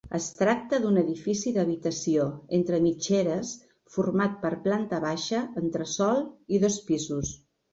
Es tracta d'un edifici d'habitació entre mitgeres format per planta baixa, entresòl i dos pisos.